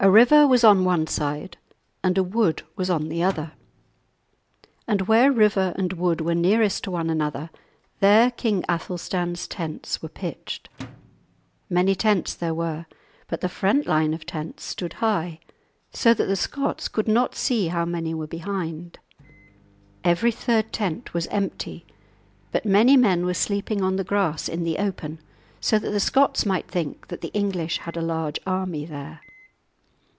A river was on one side, and a wood was on the other. And where river and wood were nearest to one another, there King Athelstan's tents were pitched. Many tents there were, but the front line of tents stood high, so that the Scots could not see how many were behind. Every third tent was empty, but many men were sleeping on the grass in the open, so that the Scots might think that the English had a large army there.